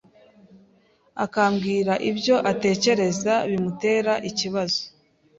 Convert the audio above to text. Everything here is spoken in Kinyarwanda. akambwira ibyo atekereza bimutera ikibazo